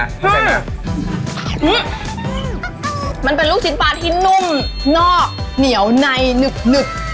นี่มันเป็นลูกชิ้นปลาที่นุ่มนอกเหนียวในหนึบ